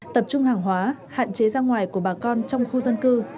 tập trung hàng hóa hạn chế ra ngoài của bà con trong khu dân cư